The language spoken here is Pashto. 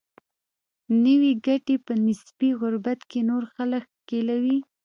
نوي ګټې په نسبي غربت کې نور خلک ښکېلوي.